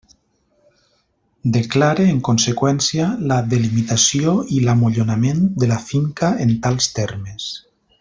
Declare, en conseqüència, la delimitació i l'amollonament de la finca en tals termes.